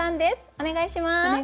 お願いします。